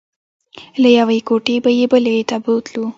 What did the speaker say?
له یوې کوټې به یې بلې ته بوتلو.